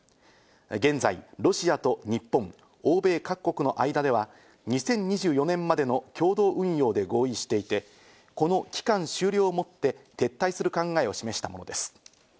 現在、ロシアと日本、欧米各国の間では２０２４年までの共同運用で合意していて、この期間終了をもって撤退する考えを示したものです。